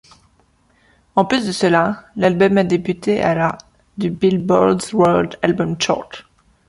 En plus de cela, l'album a débuté à la du Billboard's World Album Chart.